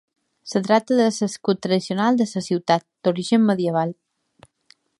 Es tracta de l'escut tradicional de la ciutat, d'origen medieval.